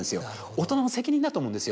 大人の責任だと思うんですよ。